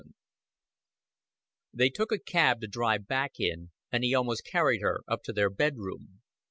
VII They took a cab to drive back in, and he almost carried her up to their bedroom.